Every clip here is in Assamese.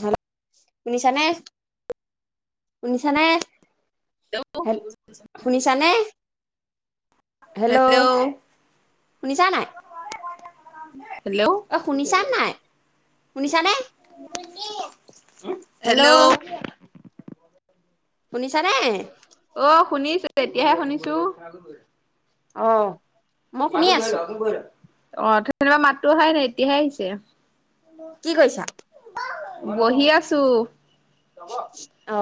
হেল্ল' শুনিছানে শুনিছানে হেল্ল' হেল শুনিছানে হেল্ল' শুনিছা নাই [inaudible] অ শুনিছা নাই শুনিছানে [inaudible] হেল্ল' শুনিছা নে অ' শুনিছো এতিয়াহে শুনিছো অহ মাজত বহিল [unintelligible] ল [unintelligible] অ তেতিয়া মাতো আহাই নাই এতিয়াহে আহিছে কি কৰিছা বহি আছো অ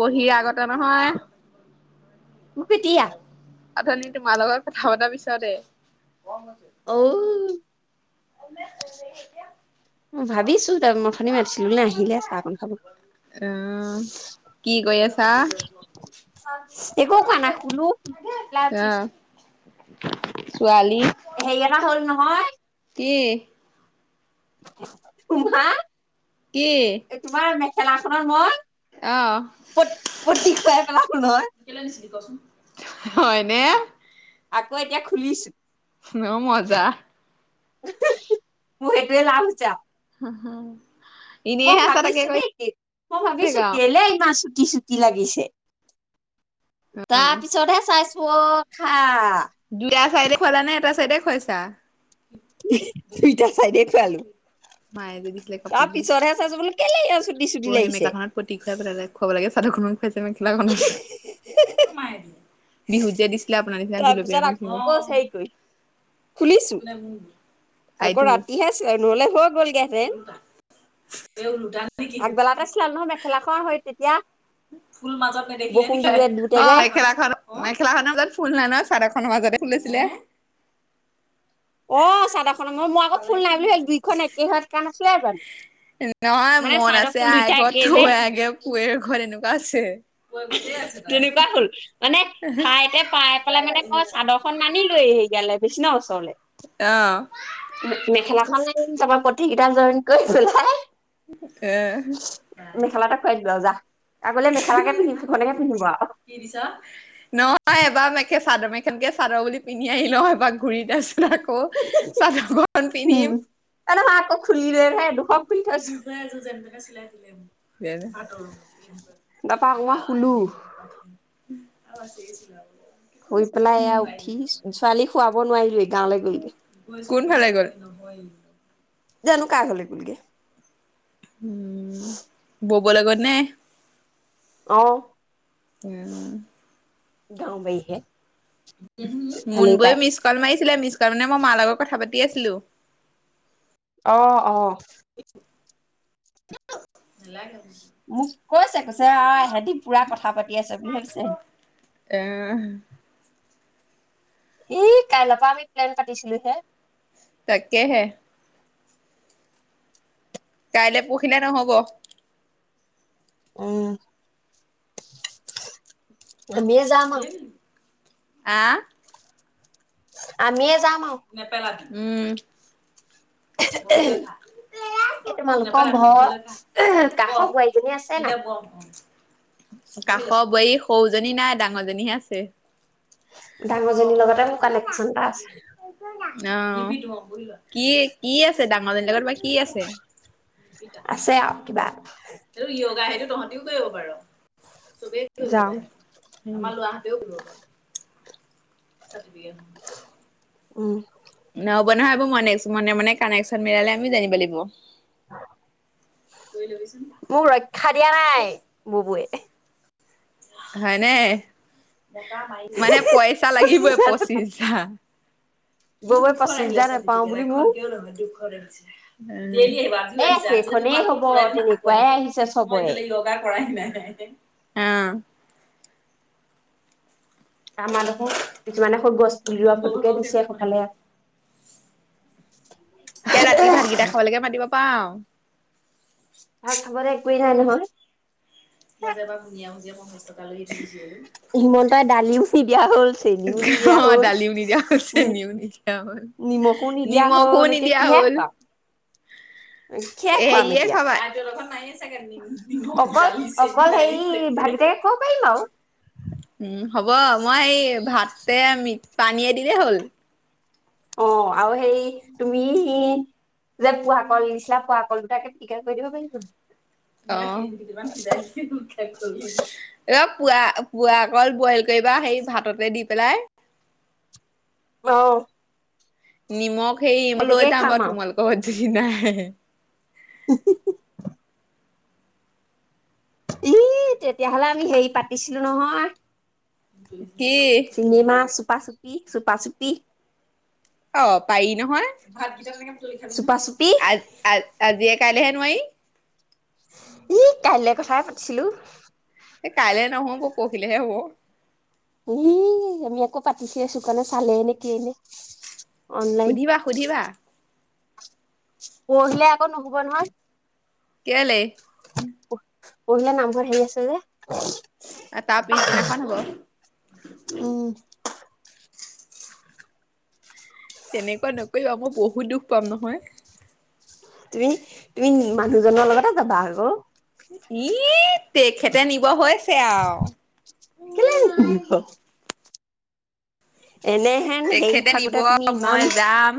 বহি আগত নহয় মোক এতিয়া অথনি তোমাৰ লগত কথা পতা পিছতেই ঔই ভাবিছো তাৰ ম অথনি মাতিছিলো নে আহিলে চাহকণ খাব, অ' কি কৰি আছা? একো কোৱা নাই শুলো উঠিছো ছোৱাল হেৰি এটা হল নহয় হয় কি? [unintelligible] কি? এই তোমাৰ মে খেলাখনত মই অ' পট পটি খোৱাই পেলালো নহয়। হয়নে? আকৌ এতিয়া খুলিছো ন মজা। [inaudible] তোৰ সেইটোৱে [unintelligible] [unintelligible] মই এনেইহে আছা তাকে ভাবিছো কৈ দেই মই ভাবিছো থাকা আৰু কেলে ইমান চুটি চুটি লাগিছে। তাৰ অ' পিছতহে চাইছো [unintelligible] দুইটা চাইডে খুৱলা নে এটা চাইডে খুৱাইছা? দুইতা চাইদে খোৱালো। মায়ে যে দিছিলে তাৰ কাপুৰযোৰ। পিছতহে চাইছো বোলো কেলে [unintelligible] পৰহি লাগিছে মেখলা খনত পতি খুৱাব লাগে। [unintelligible] খাইছে মেখেলাখন বিহুতজে দিছে তাৰ পিছত আকৌ হেৰি কৰি খুলিছো আকৌ তাইতো ৰাতিহে নহলে হৈ গলগৈ। আগবেলাতে চাদৰ মেখেলা খন হৈ তেতিয়া ফুল মাজত নেদেখিলে বৰষুণ ন দি দিওঁতে যে মেখেলাখন মেখেলাখনৰ মাজত ফুল নাই ন সাদৰ খনৰ মাজতে খুলিছিলে। অ চাদৰ খনত মই আকৌ ফুল নাই বুলি দুইখন একে হাত কণ ন আছিলো নহয় মন আছে ফুল দুইটা আইগত একেই যে থৈ আগে পুৱে ঘৰত এনেকুৱা [unintelligible] তেনেকুৱা হল মানে ঠাইতে পাই পেলাই মানে মই চাদৰ খন নানিলো এই বিশষ্ণাৱলে অ [unintelligible] মেখেলা খননে চাবা পত- সিকেইটা জইন কৰিছিল ন [unintelligible] আহ। এটা খুৱাই দিলো আৰু যা আগলে মেখেলাকে- পিন্ধিম সেইখনকে পিন্ধিব আৰু কি দিছ? নহয় এবাৰ মে- কে চাদৰ ম এখনকে চাদৰ বুলি পিন্ধি আহি লওঁ এব ঘূৰি [unintelligible] আকৌ চাদৰ খন পিন্ধিম। অ খুলিৰে দুখ পঠ আছ [unintelligible] চিলাই দিলে- তাৰপা আকৌ মই শুলো হ আছে শুই বাইদেউ পেলাই এয়া উঠি কাল ছোৱালী খুৱাব নোৱাৰিলোৱে গাঁৱলৈ [unintelligible] গ'লগে ন [unintelligible] জানো ক হলে গুলগে, উম ব- ক'ব লগত নে [unintelligible] অহ। উম। গাঁও ব হে, মুনবৌয়ে মিছ কল মাৰিছিলে, মিছ কল মানে মই মাৰ লগত কথা পাতি পতি আছিলো। অ অ ন [unintelligible] মোক কৈছে কৈছে অ এহেদি পুৰা কথা পাতি আছে বুলি ভাবিছে। আহ। ই কাইলৰ পৰা আমি প্লেন পাতিছিলো হে। তাকেহে। কাইলৈ পহিলে নহব। উম। আমি যাম‌ আও। আহ? আমিয়ে যাম। আৰু নে পেলাবি। উম। এই তোমালোকৰ ঘৰ, কাষ বোৱাৰীজনী আছে নাই? কাষৰ বোৱাৰী সৰুজনী নাই, ডাঙৰজনীহে আছে। ডাঙৰজনীৰ লগতে মোৰ কানেকচন এটা আছে। অ', কি, কি আছে দাক [unintelligible] বা কি আছে? আছে আৰু কিবা [unintelligible] য়োগা সেইটো তহঁতিও কৰিব পাৰ। চবেই কৰিব যাওঁ পাৰে। আমাৰ লৱাহঁতেও কৰিব পাৰে। [unintelligible] উম। নহ'ব ন সেইবোৰ, মই [unintelligible] মনে মনে কানেকন মিললে আমিও জানিব লাগিব। মোক ৰক্ষা দিয়া নাই, বুবুৱে। হয়নে? টকা মাৰিলে। মানে পইচা পঁচিছ লাগিবই হাজাৰ নাপাওঁ পঁচিছাৰ। মোৰ ববৌৱে দুখৰ পঁচিছ আহিলে হাজাৰ নাপাওঁ চাৰ্টিফিকেট, বুলি মোক এখনকেও নহয়, দুখ [unintelligible] অ'। দেলি আহিবা, আজিও এ আহিছা। আজি যদি মই সেইখনেই আকৌ হব ফুৰাই দি ন আকৌ তেনেকুৱাই আহিবা। আহিছে মই চবৰে এইফালে য়গা কৰাই নাই। আমাৰ দেখোন কিছুমানে সৌ গছ পুলিওৱা ফটোকে দিছে সফালে। এতিয়া ৰাতি ভাতকেইটা খাবলৈকে মাতিব। পাওঁ। ভাত খাবলে একোয়েই নাই নহয়। [unintelligible] যাবা বুনিয়া মুজিয়া পঞ্চছ টকা লৈ গিছিলি যে। হিমন্তই [unintelligible] নিদিয়া অ' হ'ল দালিও নিদিয়া হৈছে, চেনিও নিদিয়া হ'ল। নিমখো নিদিয়া নিমখো হ'ল এতিয়া নিদিয়া কিহে হ'ল। খুৱাম কিহে খুৱাম হেৰিয়ে এতিয়া খাবা, [unintelligible] নাইয়ে চাগে নিম-নিমখ, অকল দালি, চেনি অকল নাইয়ে হেৰি চাগে। ভাতকেইটাকে খাব পাৰিম আৰু উম, হ'ব মই এই ভাত তে আমি পানীয়ে দিলেই হ'ল। অ'। আৰু সেই তুমি যে পুৱা কল নিচা ফোৱা কলগিতাকে পিটিকা কৰি দিব পাৰিব। অ, [unintelligible] ৰ পোৱা পোৱা অকল বইল কৰিবা সেই ভাততে দি পেলাই। অহ। নিমখ। সেই লৈ যাম বাৰু আৰু তোমালোকৰ নাই। [inaudible] ই', তেতিয়াহলে আমি হেৰি পাতিছিলো নহয়। কি চিনেমা চুপা চুপি। চুপা চুপি। অ পাৰি নহয় চুপা চুপি [unintelligible] আজিয়ে কাইলেহে। নাই। ই কাইলৈ কথাই পাতিছিলো। এ কাইলে নহব পঢ়হিলেহে হ'ব। এ আমি আকৌ পাতিছে আছো কাৰণে চালে এনে কি এনে। সুধিবা, সুধিবা। পৰহিলে আকৌ নহ'ব নহয়। কেলে? পৰহিলে নামঘৰত হেৰি আছে যে। তাৰ পিছদিনাখন হব। উম তেনেকুৱা নকৰিবা মই বহুত দুখ পাম নহয় তুমি তুমি মানুহজনৰ লগতে যাবা আকৌ ই তেখেতে নিব হৈ য়া কেলে নিনিব। এনেহেন হেৰি তেখেতে নিব থাকোতে তুমি মই ইমান যাম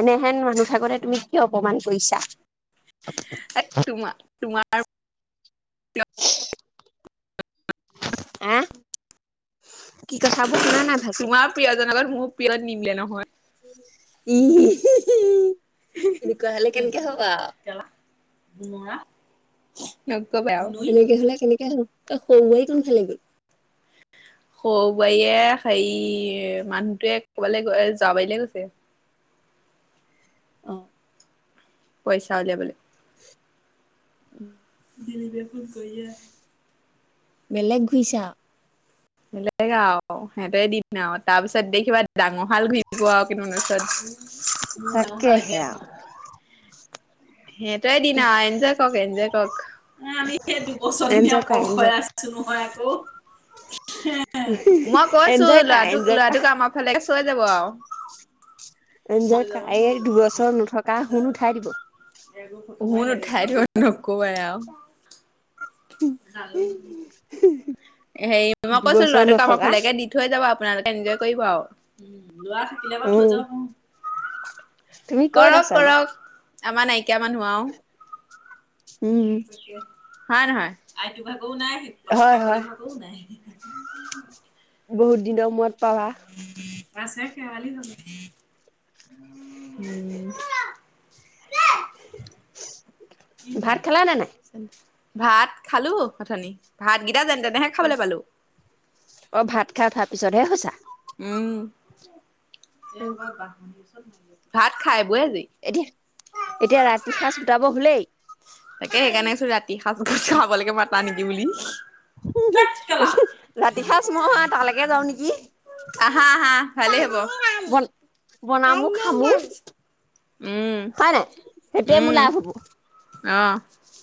এনেহেন মানুহ থাকোতে তুমি কি অপমান কৰিছা তোমাৰ তোমাৰ অ হ কি কথা ব তোমাৰ প্ৰিয়জন অ লগত মোৰ পত নিমিলে নহয় উম হু হু তেনেকুৱা হলে কেনেকে হ'বা অ [unintelligible] এনেকে হলে কেনেকে হল ক সৰুই কোনফালে গ'ল সৌ বোৱাইৰে [unintelligible] হে মানুহটোৱে কবালৈ গৈ যাব পাৰিলে গৈছে অ পইচা উওলিয়াবলৈ উম নি নিব ফুলকে বেলেগ ঘুইছা বেলেগা সিহঁতে দিন আৰু তাৰ পিছত দে কিবা ডাঙৰ হাল ঘুৰিব আৰু কিন্তু পিছত মোৰ যাওঁ ভাল তাকেহে লকে আৰু সেইটোয়ে দিনা এনজয় কৰক এনজয় কৰকেই দুবছৰ এনজয় কৰা অ এনজয় কৰা আছো নহয় আকৌ মই কৈছো এনজয় কৰা লৰাোক এনজয় কৰা লৰাটোক আমাৰ ফালে চৈ যাব আৰু এঞজ কাই দুচৰ নথকা শুন উঠাই দিব হন উঠাই দি নকোব হ হেৰি মই কৈছো দুবছৰ ল'ৰাটোক কামৰ নথকা ফালেকে দি থৈ যাব আপোনালোকে এনজয় কৰিব আৰু লৰা থাকিলে ব অ থৈ য তুমি ক'ত কৰক আছানো কৰক আমাৰ নাইকিয়া মানুহ আৰু উম উম। হয় নে নহয়? আইটো বা অ' নাই সি। কাকলি ঘৰত [inaudible] বহুত দিনৰ মূৰত পাবা [inaudible] আছে, শেৱালী [unintelligible] উম। [inaudible] ভাত খালা নে নাই? ভাত খালো অঠনি। ভাত যেনে তেনেহে খাবলৈ পালো। পিছত হে সঁচা। উম এ কৰবাৰ বাঁহ আনিছে। ভাত খাই বৈ আজৰি এতিয়া এতিয়া ৰাতি সাজ গোটাব হলেই? তাকে সেই কাৰণে কৈছোঁ, ৰাতি ৰাতি সাজকে খাবলৈকে মাতা নিকি? কি বুলি? ৰাতি সাঁজ মই তালৈকে যাও নেকি? আহা আহা ভালেই হ'ব বন বনামও, খামও। উম হয় নাই? সেই টোৱেই মোৰ লাভ হব। আহ।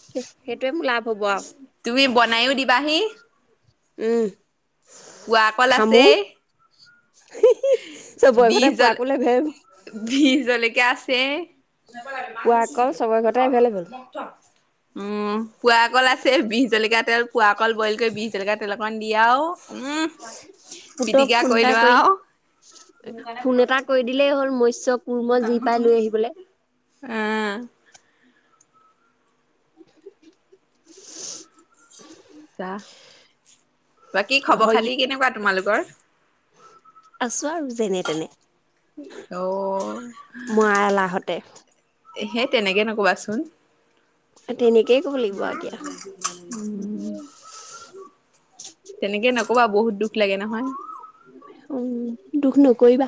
সে সেইটোয়ে মোৰ লাভ হ'ব আৰু তুমি বনাইও দিবাহি। উম। পুৱা কল খামো আছেই, চবৰে বিহ ঘৰতে জল পোৱাকল এভেইলেবল বিহ জলকীয়া আছেই, [unintelligible] লাগে, মাক পোৱাকল নুচুবিগৈ, চবৰে থ ঘৰতে এভেইলেবল মগ থ। উম। পুৰা কল আছেই, বিহ জলকীয়া তেল পুৰা কল বইল কৰি, বিহ জলকীয়া তেল অকণ দি আৰু উম, পুতক পিটিকা ফোন কৰি এটা লোৱা আৰু, মোৰ কাৰনে ফোন এটা পোৰা কৰি কল [unintelligible] দিলেই হ'ল মৎস্য কুৰ্ম যি পায় লৈ আহিবলৈ। আ। [inaudible] চা। বাকী খবৰ হৈ খাতি কেনেকুৱা তোমালোক ঘৰ আছো আৰু যেনে তেনে, অ মৰা এলাহঁতে। সেই তেনেকে নক'বাচোন। [unintelligible] তেনেকেই ক'বলাগিব আৰু এতিয়া। উম। তেনেকেই নকবা বহুত দুখ লাগে নহয়। উম। দুখ নকৰিবা,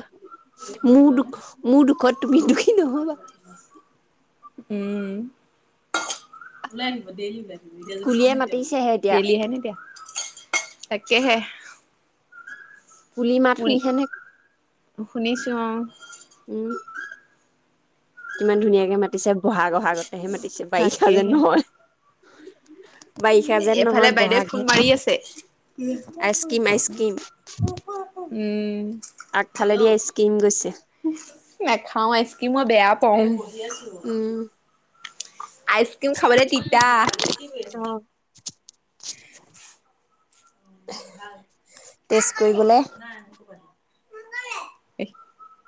মোৰ দুখ-মোৰ দুখত তুমি দুখী নহ'বা। উম কুলিয়ে মাতিছেহে এতিয়া [unintelligible] [unintelligible] তাককেহে। কুলি মাত শুনিহে নে শুনিছো অ'। উম, কিমান ধুনীয়াকে মাতিছে। বহাগ অহা আগতেহে মাতিছে, বাৰিষা যেন তাকেহে নহয়। বাৰিষা যেন এফালে নহয় বাইদেৱে বহাগহে ফোন মাৰি আছে। আইচক্ৰীম আইচক্ৰীম উম্। আগফালে দি আইচস্কিম গৈছে। নাখাওঁ আইচক্ৰীম মই বেয়া পাওঁ। উম [unintelligible] আইসক্ৰীম খাবলে তিতা, টেষ্ট কৰিবলে [unintelligible] [unintelligible]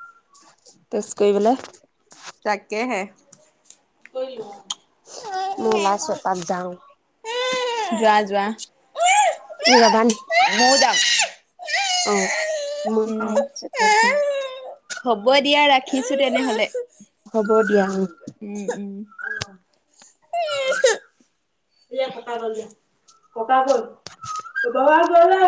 টেষ্ট কৰি পেলাই। তাকে হে, মই ওলাইছো এপাক যাওঁ যোৱা- যোৱা তুমি যাবা নি মইও যাম উম। [unintelligible] হ'ব দিয়া ৰাখিছো। তেনেহলে, হ'ব দিয়া উম উম-উম [unintelligible]